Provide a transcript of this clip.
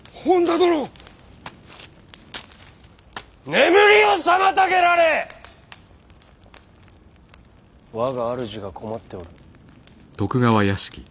眠りを妨げられ我が主が困っておる。